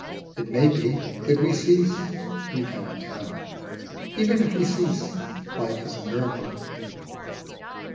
It may be, that we cease ; we cannot tell. Even if we cease, life is a miracle.